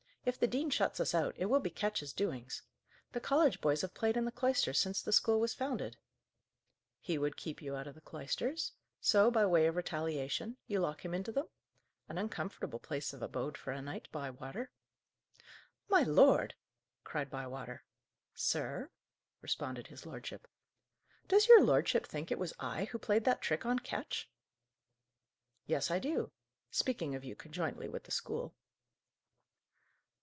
If the dean shuts us out, it will be Ketch's doings. The college boys have played in the cloisters since the school was founded." "He would keep you out of the cloisters; so, by way of retaliation, you lock him into them an uncomfortable place of abode for a night, Bywater." "My lord!" cried Bywater. "Sir!" responded his lordship. "Does your lordship think it was I who played that trick on Ketch?" "Yes, I do speaking of you conjointly with the school."